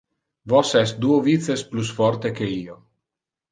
Vos es duo vices plus forte que io.